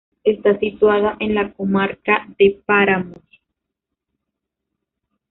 Está situada en la comarca de Páramos.